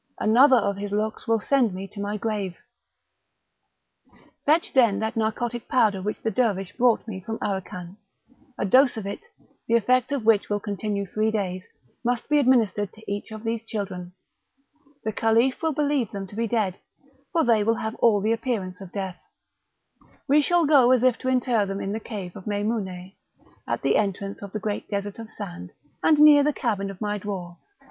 another of his looks will send me to my grave. Fetch then that narcotic powder which the Dervish brought me from Aracan; a dose of it, the effect of which will continue three days, must be administered to each of these children; the Caliph will believe them to be dead, for they will have all the appearance of death; we shall go as if to inter them in the cave of Meimoune, at the entrance of the great desert of sand, and near the cabin of my dwarfs.